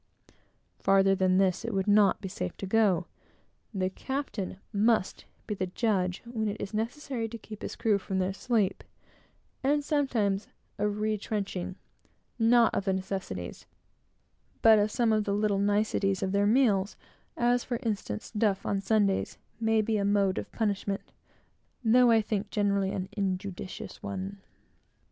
Farther than this, it would not be safe to go. The captain must be the judge when it is necessary to keep his crew from their sleep; and sometimes a retrenching, not of the necessaries, but of some of the little niceties of their meals, as, for instance, duff on Sunday, may be a mode of punishment, though I think generally an injudicious one.